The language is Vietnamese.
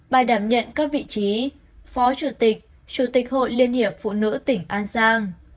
bài đảm nhận các vị trí phó chủ tịch chủ tịch hội liên hiệp phụ nữ tỉnh an giang